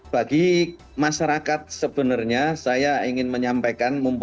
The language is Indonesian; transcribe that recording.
bagi masyarakat sebenarnya saya ingin menyampaikan